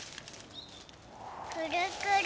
くるくる。